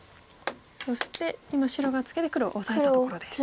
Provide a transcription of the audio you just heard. そして今白がツケて黒オサえたところです。